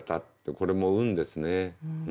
これも運ですね。